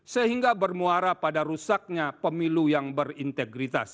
sehingga bermuara pada rusaknya pemilu yang berintegritas